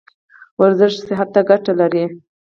ورزش صحت ته ګټه لري